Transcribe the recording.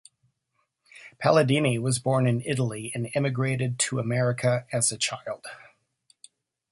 Palladini was born in Italy and emigrated to America as a child.